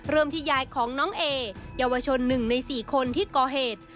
เริ่มที่ยายของน้องเอยาวชนหนึ่งในสี่คนที่ก่อเหตุ